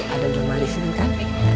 ada rumah disini kan